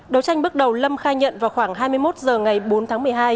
đấu tranh bước đầu lâm khai nhận vào khoảng hai mươi một h ngày bốn tháng một mươi hai